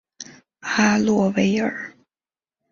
阿洛维尔。